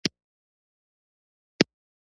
ملنګ چې کله د کاغذ ټوټه را پورته کړه.